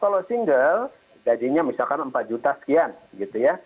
kalau single gajinya misalkan empat juta sekian gitu ya